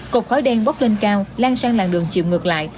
cột khói đen bốc lên cao lan sang làng đường chiều ngược lại